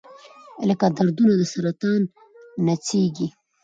لکه دردونه د سرطان نڅیږي